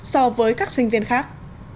so với các sinh viên khác